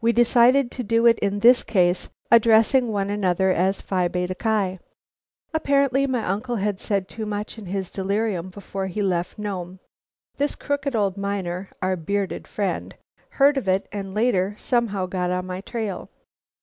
We decided to do it in this case, addressing one another as Phi Beta Ki. "Apparently my uncle had said too much in his delirium before he left Nome. This crooked old miner, our bearded friend, heard it, and later, somehow, got on my trail.